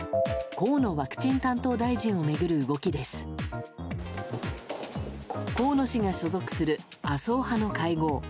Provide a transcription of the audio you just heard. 河野氏が所属する麻生派の会合。